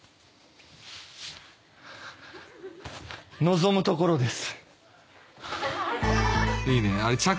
望むところです。